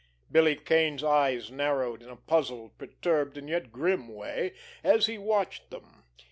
Billy Kane's eyes narrowed in a puzzled, perturbed, and yet grim way, as he watched them.